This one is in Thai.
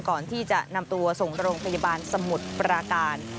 ก่อนที่จะนำตัวส่งโรงพยาบาลสมุทรปราการ